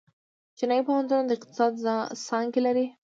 چینايي پوهنتونونه د اقتصاد څانګې لري.